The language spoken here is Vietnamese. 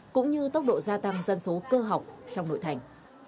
cũng như tốc độ gia tăng dân số cơ học trong nội thành